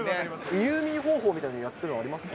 入眠方法みたいなやってるのありますか？